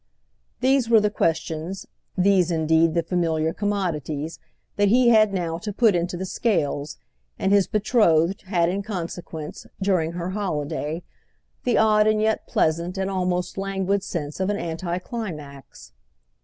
These were the questions—these indeed the familiar commodities—that he had now to put into the scales; and his betrothed had in consequence, during her holiday, the odd and yet pleasant and almost languid sense of an anticlimax.